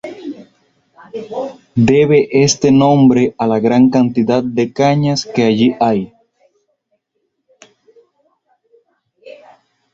Debe este nombre a la gran cantidad de cañas que allí hay.